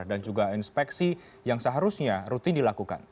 dan juga inspeksi yang seharusnya rutin dilakukan